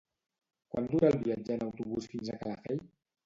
Quant dura el viatge en autobús fins a Calafell?